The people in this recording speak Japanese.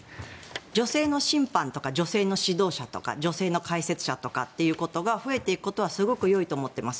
女性の審判とか女性の指導者とか女性の解説者ということが増えていくことはすごくよいと思っています。